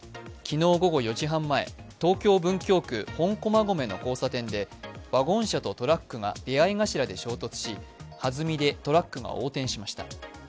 昨日午後４時半前、東京・文京区本駒込の交差点でワゴン車とトラックが出会い頭で衝突し弾みでトラックが横転しました。